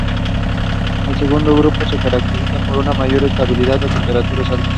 El segundo grupo se caracteriza por una mayor estabilidad a temperaturas altas.